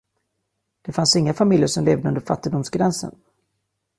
Det fanns inga familjer som levde under fattigdomsgränsen.